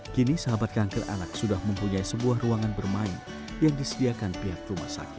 kini sahabat kanker anak sudah mempunyai sebuah ruangan bermain yang disediakan pihak rumah sakit